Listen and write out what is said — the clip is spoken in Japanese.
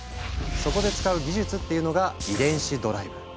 そこで使う技術っていうのが「遺伝子ドライブ」。